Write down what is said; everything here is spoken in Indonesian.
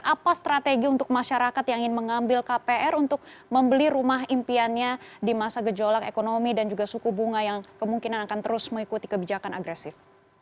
apa strategi untuk masyarakat yang ingin mengambil kpr untuk membeli rumah impiannya di masa gejolak ekonomi dan juga suku bunga yang kemungkinan akan terus mengikuti kebijakan agresif